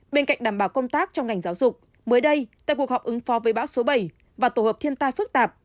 bên cạnh đảm bảo công tác trong ngành giáo dục mới đây tại cuộc họp ứng phó với bão số bảy và tổ hợp thiên tai phức tạp